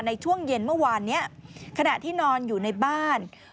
ในช่วงเย็นเมื่อวานนี้ขณะที่นอนอยู่ในบ้าน